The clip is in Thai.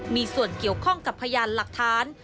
มีส่วนเกี่ยวข้องกับพยานหลักฐาน